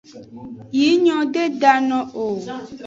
Yi nyo de da no o.